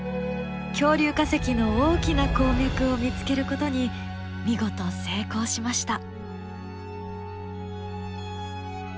恐竜化石の大きな鉱脈を見つけることに見事成功しました！